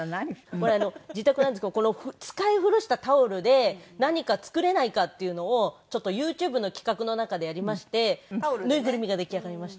これ自宅なんですけどこの使い古したタオルで何か作れないかっていうのをＹｏｕＴｕｂｅの企画の中でやりまして縫いぐるみが出来上がりました。